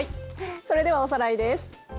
それではおさらいです。